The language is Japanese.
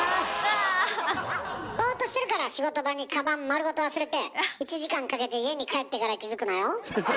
ボーっとしてるから仕事場にカバン丸ごと忘れて１時間かけて家に帰ってから気付くのよ？